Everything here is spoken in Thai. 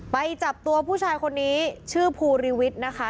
ไปจับตัวผู้ชายคนนี้ชื่อภูริวิทย์นะคะ